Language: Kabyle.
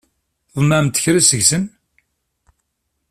Tḍemɛemt kra seg-sen?